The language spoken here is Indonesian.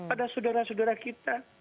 kepada saudara saudara kita